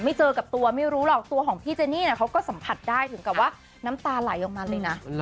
เจอกับตัวไม่รู้หรอกตัวของพี่เจนี่เขาก็สัมผัสได้ถึงกับว่าน้ำตาไหลออกมาเลยนะ